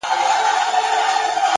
د زغم ونې خوږې مېوې لري.!